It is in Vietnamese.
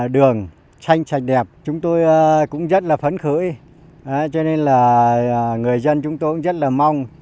đường xanh sạch đẹp chúng tôi cũng rất là phấn khởi cho nên là người dân chúng tôi cũng rất là mong